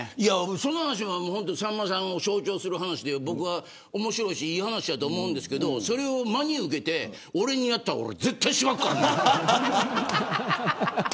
その話はさんまさんを象徴する話で面白いし、いい話やと思うがそれを真に受けて俺にやったら俺、絶対しばくからな。